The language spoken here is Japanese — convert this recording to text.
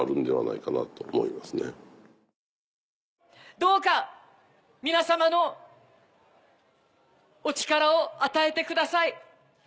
・どうか皆さまのお力を与えてください